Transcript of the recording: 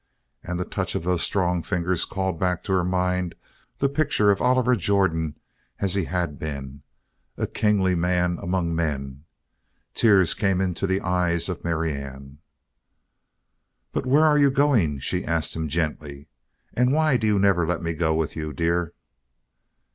And the touch of those strong fingers called back to her mind the picture of Oliver Jordan as he had been, a kingly man among men. Tears came into the eyes of Marianne. "But where are you going?" she asked him gently. "And why do you never let me go with you, dear?"